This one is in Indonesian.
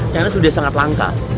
karena sudah sangat langka